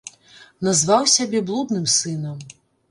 Назваў сябе блудным сынам.